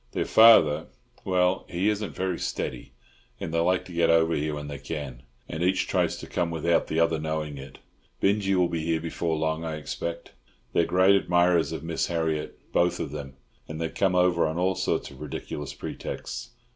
Their father—well, he isn't very steady; and they like to get over here when they can, and each tries to come without the other knowing it. Binjie will be here before long, I expect. They're great admirers of Miss Harriott, both of them, and they come over on all sorts of ridiculous pretexts.